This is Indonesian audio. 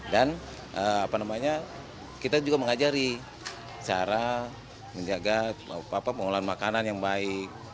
dan kita juga mengajari cara menjaga pengolahan makanan yang baik